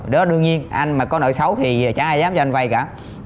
đó đương nhiên anh mà có nợ xấu thì chả ai dám cho anh vay cả